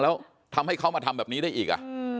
แล้วทำให้เขามาทำแบบนี้ได้อีก